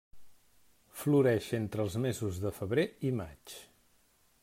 Floreix entre els mesos de febrer i maig.